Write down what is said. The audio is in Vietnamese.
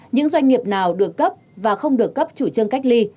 những doanh nghiệp nào được cấp và không được cấp chủ trương cách ly